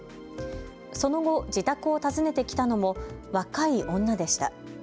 その後、自宅を訪ねてきたのも若い女でした。